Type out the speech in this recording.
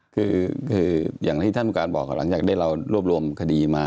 คืออย่างที่ต้องกราศบอกหลังจากรวมคดีมา